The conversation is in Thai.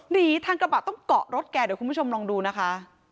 ทางกระบะต้องเกาะรถแกเดี๋ยวคุณผู้ชมลองดูนะคะ